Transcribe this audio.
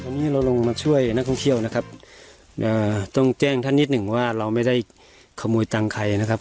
ตอนนี้เราลงมาช่วยนักท่องเที่ยวนะครับต้องแจ้งท่านนิดหนึ่งว่าเราไม่ได้ขโมยตังค์ใครนะครับ